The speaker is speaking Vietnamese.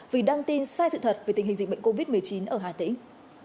vì đăng tin sai sự thật về tình hình dịch bệnh covid một mươi chín ở hà tĩnh